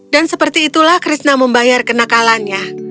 dan seperti itulah krishna membayar kenakalannya